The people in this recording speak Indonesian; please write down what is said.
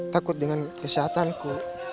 takut dengan kesehatanku